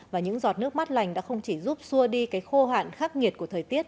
và những giọt nước mắt lành đã không chỉ giúp xua đi cái khô hạn khắc nghiệt của thời tiết